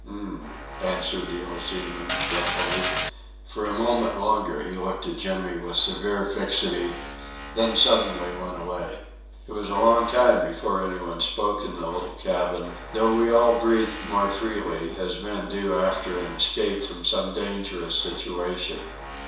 "H'm," answered the old seaman, grumpily. For a moment longer he looked at Jimmy with severe fixity, then suddenly went away. It was a long time before any one spoke in the little cabin, though we all breathed more freely as men do after an escape from some dangerous situation.